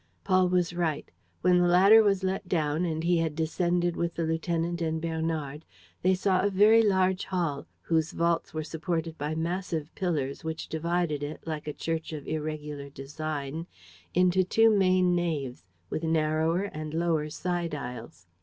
Paul was right. When the ladder was let down and he had descended with the lieutenant and Bernard, they saw a very large hall, whose vaults were supported by massive pillars which divided it, like a church of irregular design, into two main naves, with narrower and lower side aisles.